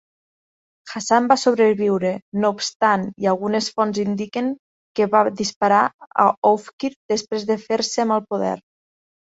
Hassan va sobreviure, no obstant, i algunes fonts indiquen que va disparar a Oufkir després de fer-se amb el poder.